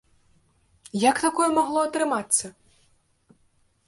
Як такое магло атрымацца?